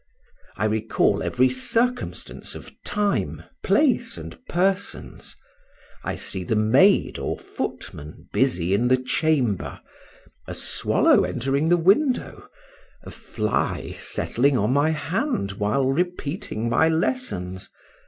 I recall every circumstance of time, place, and persons; I see the maid or footman busy in the chamber, a swallow entering the window, a fly settling on my hand while repeating my lessons.